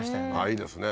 いいですね。